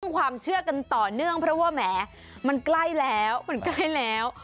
ความเชื่อกันต่อเนื่องเพราะว่าแหมมันใกล้แล้วมันใกล้แล้ว